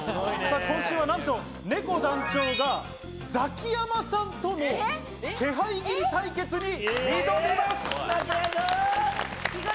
今週はなんと、ねこ団長がザキヤマさんとの気配斬り対決に挑みます。